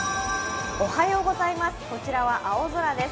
こちらは青空です。